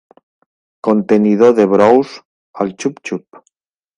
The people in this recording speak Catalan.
Contenidor de brous al xup xup.